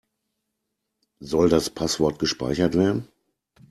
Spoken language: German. Soll das Passwort gespeichert werden?